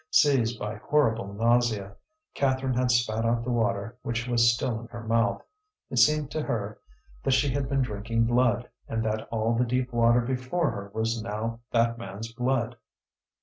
Seized by horrible nausea, Catherine had spat out the water which was still in her mouth. It seemed to her that she had been drinking blood, and that all the deep water before her was now that man's blood.